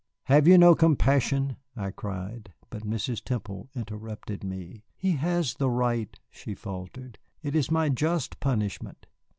"Have you no compassion?" I cried. But Mrs. Temple interrupted me. "He has the right," she faltered; "it is my just punishment."